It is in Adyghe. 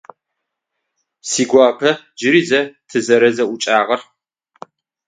Сигуапэ джыри зэ тызэрэзэӏукӏагъэр?